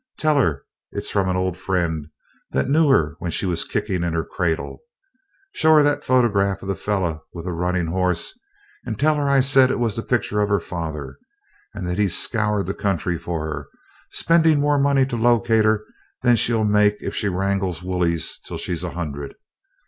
Tell her it's from an old friend that knew her when she was kickin' in her cradle. Show her that photygraph of the feller with the runnin' horse and tell her I said it was the picture of her father, and that he's scoured the country for her, spendin' more money to locate her than she'll make if she wrangles woolies till she's a hundred.